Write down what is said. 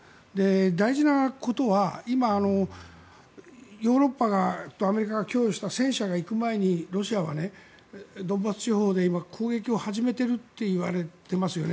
大事なことは今、アメリカが供与した戦車が行く前にロシアはドンバス地方で今、攻撃を始めているといわれていますよね。